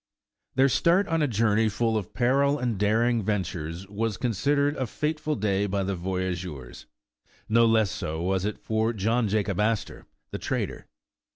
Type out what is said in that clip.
Their start on a journey full of peril and daring ventures, was considered a fateful day by the voy ageurs. No less so was it for John Jacob Astor, the trader.